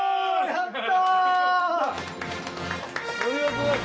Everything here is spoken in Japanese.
やった！